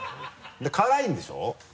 辛いんでしょ？